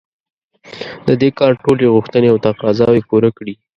د دې کار ټولې غوښتنې او تقاضاوې پوره کړي.